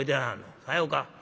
さようか。